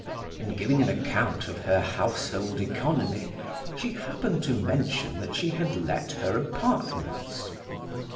In giving an account of her household economy she happened to mention that she had let her apartments.